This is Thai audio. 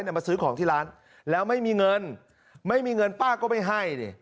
มาซื้อของที่ร้านแล้วไม่มีเงินไม่มีเงินป้าก็ไม่ให้ดิ